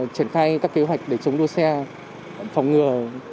triển khai các kế hoạch để chống đua xe phòng ngừa